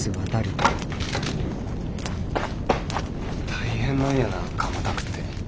大変なんやな窯焚くって。